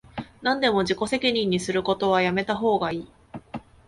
なんでも自己責任にするのはやめたほうがいい